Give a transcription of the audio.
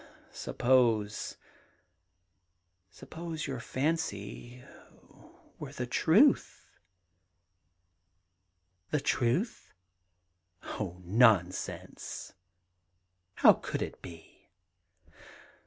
' Sup pose — suppose your fancy were the truth 1 '* The truth I Oh, nonsense 1 How could it be